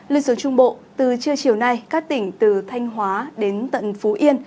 lưu xuống trung bộ từ trưa chiều nay các tỉnh từ thanh hóa đến tận phú yên